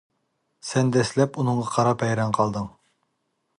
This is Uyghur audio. سەن دەسلەپ ئۇنىڭغا قاراپ ھەيران قالدىڭ.